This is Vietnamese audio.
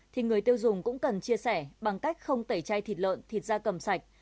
thì người tiêu dùng cũng cần chia sẻ bằng cách không tẩy chay thịt lợn thịt ra cầm sạch